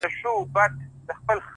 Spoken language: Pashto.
نه د ژړا نه د خندا خاوند دی ـ